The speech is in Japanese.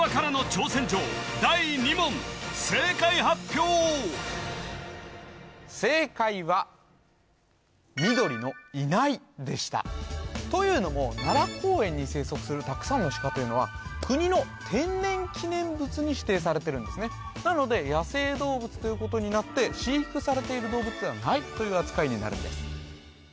正解発表正解は緑のいないでしたというのも奈良公園に生息するたくさんのシカというのは国の天然記念物に指定されてるんですねなので野生動物ということになって飼育されている動物ではないという扱いになるんです